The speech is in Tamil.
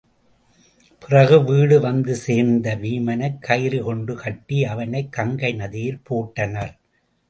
பிறகு வீடு வந்து சேர்ந்த வீமனைக் கயிறு கொண்டு கட்டி அவனைக் கங்கை நதியில் போட்டனர்.